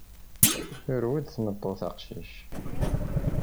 Turew-d tmeṭṭut aqcic.